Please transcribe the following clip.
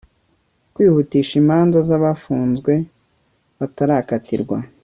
kwihutisha imanza z'abafunze batarakatirwa